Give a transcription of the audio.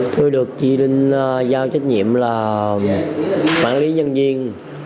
tôi được chỉ định giao trách nhiệm là quản lý nhân viên